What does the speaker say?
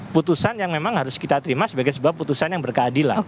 putusan yang memang harus kita terima sebagai sebuah putusan yang berkeadilan